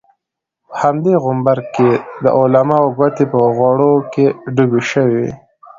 په همدې غومبر کې د علماوو ګوتې په غوړو کې ډوبې شوې.